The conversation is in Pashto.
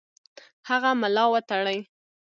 هغه ملا وتړي.